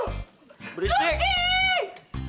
yuk kita sekarang pet sepereh